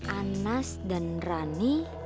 anas dan rani